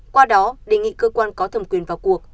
qua đó đề nghị cơ quan có thẩm quyền vào cuộc